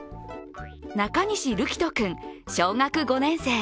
中西瑠煌斗君、小学５年生。